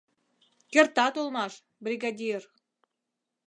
— Кертат улмаш, бригадир!